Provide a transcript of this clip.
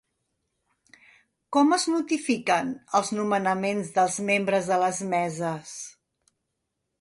Com es notifiquen els nomenaments dels membres de les meses?